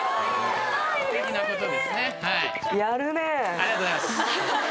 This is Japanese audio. ありがとうございます。